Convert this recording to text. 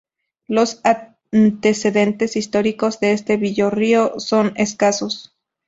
Los antecedentes históricos de este villorrio son escasos.